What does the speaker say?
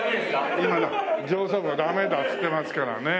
今上層部がダメだって言ってますからね。